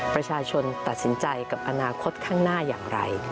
ประชาชนตัดสินใจกับอนาคตข้างหน้าอย่างไร